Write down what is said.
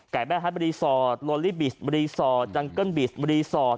กายแบบฮัตรีสอร์ทโลลี่บีสรีสอร์ทดังเกิ้ลบีสรีสอร์ท